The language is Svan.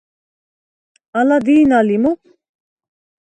ალა დი̄ნა ლი მო̄?